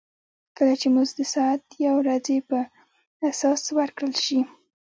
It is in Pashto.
کله چې مزد د ساعت یا ورځې پر اساس ورکړل شي